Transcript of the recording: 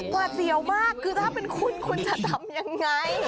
หวาดเสียวมากคือถ้าเป็นคุณคุณจะทำยังไง